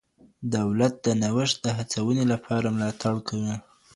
دولت د نوښت د هڅونې لپاره ملاتړ کوي.